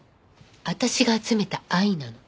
私が集めた愛なの。